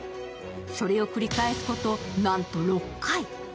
それをくり返すこと、なんと６回。